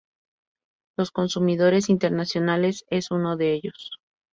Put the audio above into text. Los Consumidores Internacionales es uno de ellos.